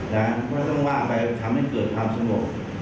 และมันต้องว่าไปทำให้เกิดความสงบ